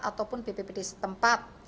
ataupun bppd setempat